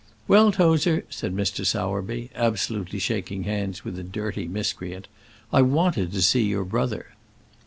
"Well, Tozer," said Mr. Sowerby, absolutely shaking hands with the dirty miscreant, "I wanted to see your brother."